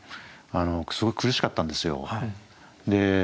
すごい苦しかったんですよ。